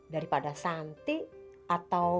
daripada santi atau